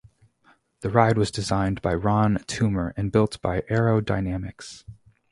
The ride was designed by Ron Toomer and built by Arrow Dynamics.